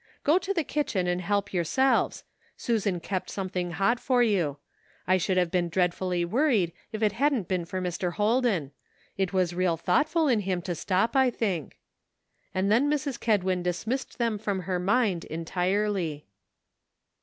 Go to the kitchen and help your selves; Susan kept something hot for you. I should have been dreadfully worried if it hadn't been for Mr. Holden. It was real thoughtful in him to stop, I think," and then Mrs. Kedwin dismissed them from her mind entirely.